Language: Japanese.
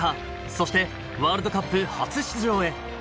そしてワールドカップ初出場へ。